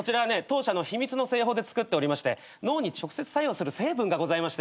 当社の秘密の製法で作っておりまして脳に直接作用する成分がございまして。